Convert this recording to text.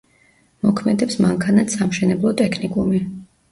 მოქმედებს მანქანათსამშენებლო ტექნიკუმი.